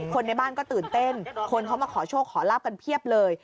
คนในบ้านก็ตื่นเต้นคนเขามาขอโชคขอลาบกันเพียบเลย